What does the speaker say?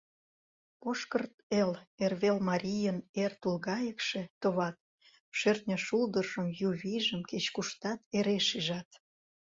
Пошкырт Эл — эрвелмарийын Эр тулгайыкше, товат: Шӧртньӧ шулдыржым, ю вийжым Кеч-куштат эре шижат…